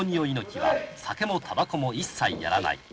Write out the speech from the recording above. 猪木は酒もたばこも一切やらない。